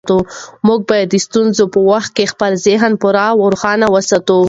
موږ باید د ستونزو په وخت کې خپل ذهن پوره روښانه وساتو.